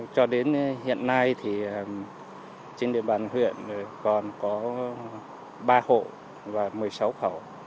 cho đến hiện nay thì trên địa bàn huyện còn có ba hộ và một mươi sáu khẩu